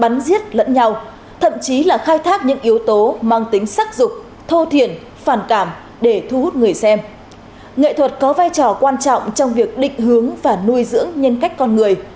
nghệ thuật có vai trò quan trọng trong việc định hướng và nuôi dưỡng nhân cách con người